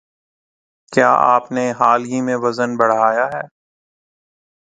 کیا آپ نے حال ہی میں وزن بڑهایا ہے